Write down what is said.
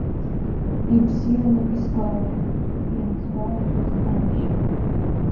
Ибзианы исгәалашәоит иансгәалашәаз амш.